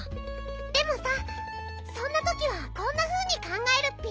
でもさそんなときはこんなふうにかんがえるッピ。